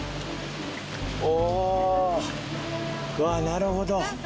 なるほど。